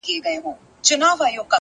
هره لاسته راوړنه د لومړي ګام پور لري،